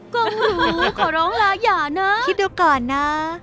โอ้โหขอร้องลาอย่านะคิดดูก่อนนะ